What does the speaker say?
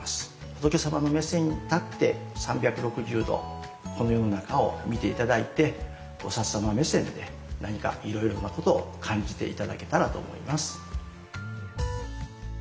仏様の目線に立って３６０度この世の中を見て頂いて菩様目線で何かいろいろなことを感じて頂けたらと思います。